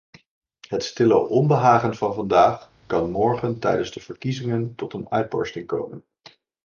Het stille onbehagen van vandaag kan morgen tijdens de verkiezingen tot een uitbarsting komen.